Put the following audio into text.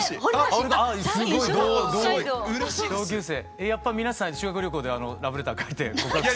えっやっぱ皆さん修学旅行ではラブレター書いて告白した？